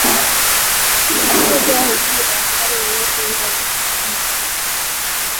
Hatotoa hukumu kwa askari yoyote yule aliyehusika kwa kukamatwa